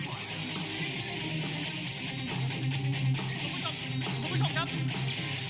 คุณผู้ชมครับ